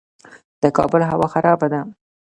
د کابل هوا خرابه ده